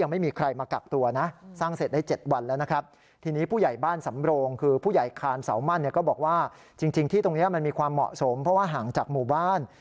มีความเหมาะสมเพราะว่าห่างจากหมู่บ้าน